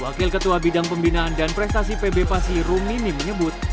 wakil ketua bidang pembinaan dan prestasi pb pasi rumini menyebut